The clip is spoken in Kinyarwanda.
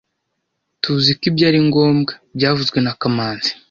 Tuziko ibyo ari ngombwa byavuzwe na kamanzi